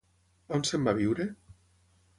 On se'n va a viure?